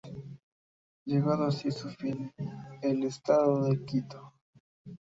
Llegando así a su fin el Estado de Quito.